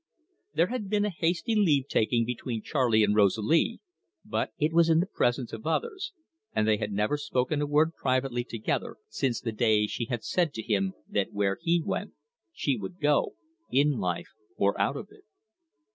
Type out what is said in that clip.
There had been a hasty leave taking between Charley and Rosalie, but it was in the presence of others, and they had never spoken a word privately together since the day she had said to him that where he went she would go, in life or out of it.